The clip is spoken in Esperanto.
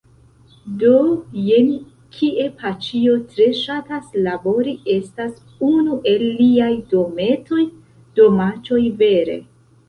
Do, jen kie paĉjo tre ŝatas labori estas unu el liaj dometoj, domaĉoj vere